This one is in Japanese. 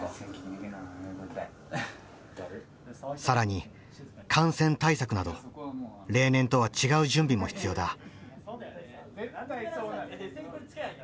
更に感染対策など例年とは違う準備も必要だ。